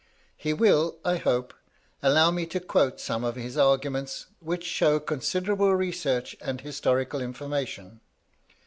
He will, I hope, allow me to quote some of his arguments, which show considerable research and historical information.